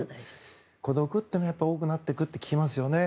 孤独というのは多くなっていくって聞きますよね。